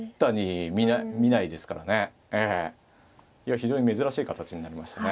非常に珍しい形になりましたね。